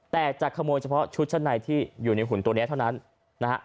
แต่จะขโมยเฉพาะชุดชั้นในที่อยู่ในหุ่นตัวนี้เท่านั้นนะฮะ